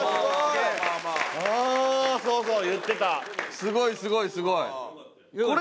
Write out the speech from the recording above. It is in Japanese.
すごいすごいすごい！